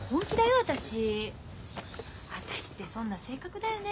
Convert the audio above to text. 私って損な性格だよね